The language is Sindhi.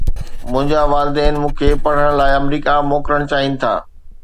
منهنجا والدين مون کي پڙهڻ لاءِ آمريڪا موڪلڻ چاهين ٿا